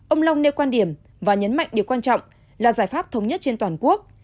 ông long nêu quan điểm và nhấn mạnh điều quan trọng là giải pháp thống nhất trên toàn quốc